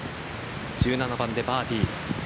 １７番でバーディー。